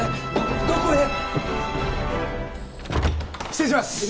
失礼します！